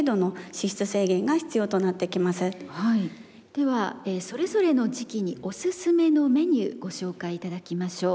ではそれぞれの時期におすすめのメニューご紹介頂きましょう。